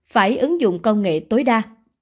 phải ứng dụng công nghệ tối đa